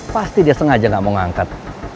pasti dia sengaja gak mau angkat